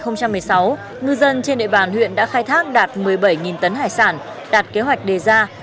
năm hai nghìn một mươi sáu ngư dân trên địa bàn huyện đã khai thác đạt một mươi bảy tấn hải sản đạt kế hoạch đề ra